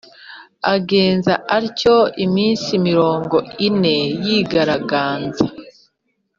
agenza atyo iminsi mirongo ine yigaraganza.